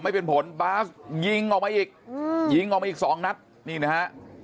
ไม่เป็นผลบาสยิงออกมาอีกยิงออกมาอีกสองนัดนี่นะฮะ